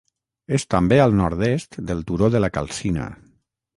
És també al nord-est del Turó de la Calcina.